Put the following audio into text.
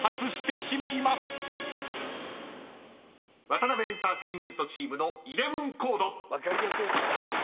［ワタナベエンターテインメントチームのイレブンコード］